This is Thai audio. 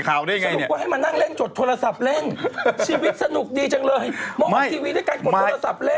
สรุปว่าให้มานั่งเล่นจดโทรศัพท์เล่นชีวิตสนุกดีจังเลยมาออกทีวีด้วยการกดโทรศัพท์เล่น